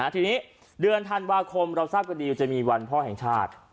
ทีนี้เดือนธันวาคมเรามีวันท่อแห่งชาติ